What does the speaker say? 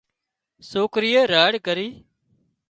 سوڪرِيئي راڙ ڪرِي